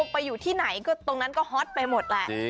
ไปอยู่ที่ไหนก็ตรงนั้นก็ฮอตไปหมดแหละ